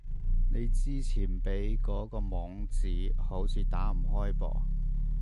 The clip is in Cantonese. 你之前畀嗰個網址，好似打唔開噃